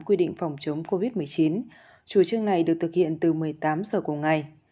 quy định phòng chống covid một mươi chín chủ trương này được thực hiện từ một mươi tám giờ cùng ngày